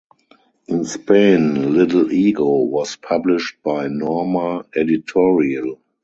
In Spain, Little Ego was published by Norma Editorial.